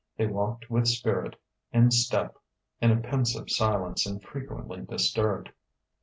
They walked with spirit, in step, in a pensive silence infrequently disturbed.